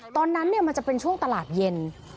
ตอนนั้นมันจะเป็นช่วงตลาดเย็น